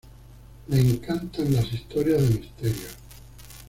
Le encantan las historias de misterio.